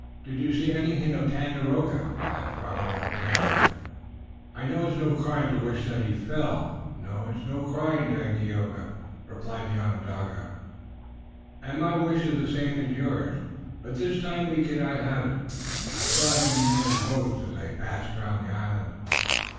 "Did you see anything of Tandakora?" asked Robert of Tayoga. "I know it's no crime to wish that he fell." "No, it's no crime, Dagaeoga," replied the Onondaga soberly, "and my wish is the same as yours, but this time we cannot have it. I saw him in one of the boats as they passed around the island."